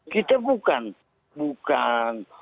kita bukan bukan